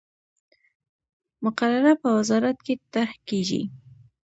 مقرره په وزارت کې طرح کیږي.